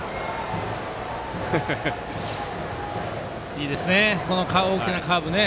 いいですね、大きなカーブ。